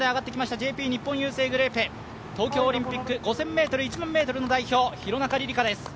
ＪＰ日本郵政グループ、東京オリンピック５０００ｍ、１００００ｍの代表、廣中璃梨佳です。